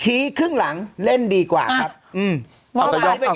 ชี้ขึ้นหลังเล่นดีกว่าครับ